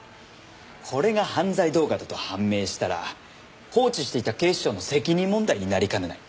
これが犯罪動画だと判明したら放置していた警視庁の責任問題になりかねない。